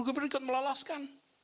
gubernur ikut meloloskan